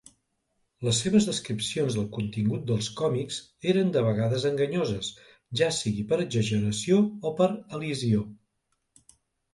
Les seves descripcions del contingut dels còmics eren de vegades enganyoses, ja sigui per exageració o per elisió.